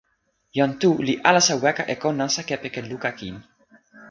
jan Tu li alasa weka e ko nasa kepeken luka kin.